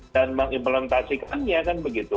dan mengimplementasikannya kan begitu